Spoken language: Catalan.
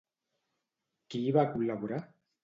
Qui hi va col·laborar?